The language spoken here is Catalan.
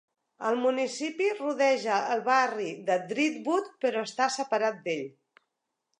El municipi rodeja el barri de Driftwood, però està separat d'ell.